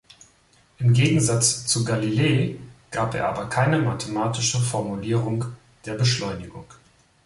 Im Gegensatz zu Galilei gab er aber keine mathematische Formulierung der Beschleunigung.